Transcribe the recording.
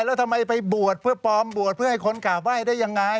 แล้วทำไมไปบวชเพื่อปลอมบวชเพื่อให้คนกราบไหว้ได้ยังไง